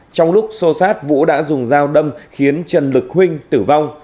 trong lúc xô sát vũ đã dùng dao đâm khiến trần lực huynh tử vong